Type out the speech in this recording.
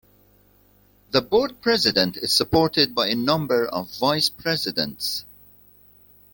The board president is supported by a number of vice-presidents.